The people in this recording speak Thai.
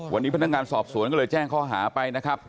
วันนี้พนักงานสอบสวนก็เลยแจ้งข้อหาไปนะครับ